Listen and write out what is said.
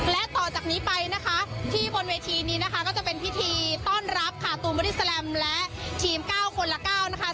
และต่อจากนี้ไปที่บนเวทีนี้ก็จะเป็นพิธีต้อนรับตูนบริสไลม์และทีมเก้าคนละเก้า